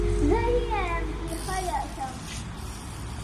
زه هیله لرم چې ښه شم